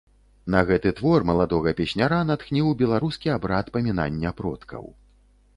На гэты твор маладога песняра натхніў беларускі абрад памінання продкаў.